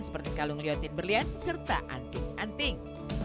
seperti kalung liotin berlian serta anting anting